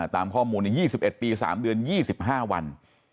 ตามข้อมูล๒๑ปี๓เดือน๒๕วัน